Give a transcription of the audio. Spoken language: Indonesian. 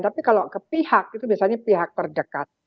tapi kalau ke pihak itu biasanya pihak terdekat